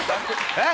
「えっ？」